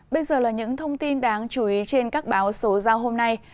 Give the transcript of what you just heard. bây giờ là những thông tin đáng chú ý trên các báo số giao hôm nay